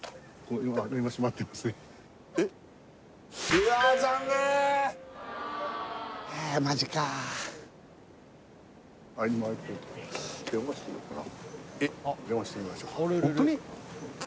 いや残念マジか電話してみましょうか？